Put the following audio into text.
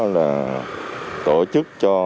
là tổ chức cho